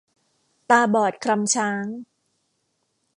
ตาบอดคลำช้าง